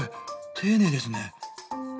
丁寧ですね。